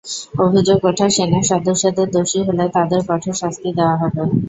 অভিযোগ ওঠা সেনা সদস্যদের দোষী হলে তাঁদের কঠোর শাস্তি দেওয়া হবে।